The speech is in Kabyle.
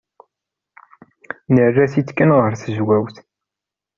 Nerra-t-id kan ɣer tezwawt.